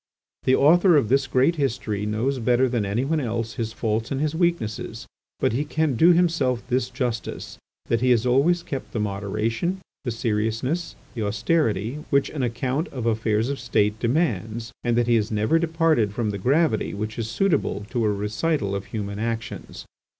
The author of this great history knows better than anyone else his faults and his weaknesses, but he can do himself this justice—that he has always kept the moderation, the seriousness, the austerity, which an account of affairs of State demands, and that he has never departed from the gravity which is suitable to a recital of human actions.